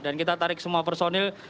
dan kita tarik semua personil